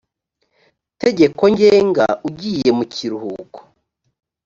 tegeko ngenga ugiye mu kiruhuko